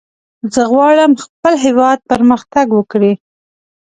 زه غواړم خپل هېواد پرمختګ وکړي.